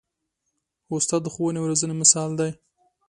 استاد د ښوونې او روزنې مثال دی.